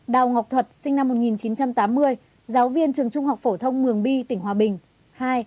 ba đào ngọc thuật sinh năm một nghìn chín trăm tám mươi giáo viên trường trung học phổ thông mường bi tỉnh hòa bình